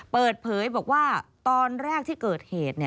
เปิดเผยบอกว่าตอนแรกที่เกิดเหตุ